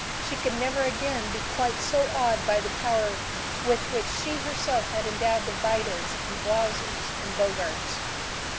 She could never again be quite so awed by the power with which she herself had endowed the Vidas and Blaussers and Bogarts.